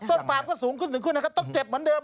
ต้นปลามก็สูงขึ้นนะครับต้นเจ็บเหมือนเดิม